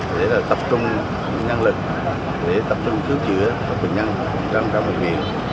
để tập trung nhân lực để tập trung cứu chữa các bệnh nhân trong các bệnh viện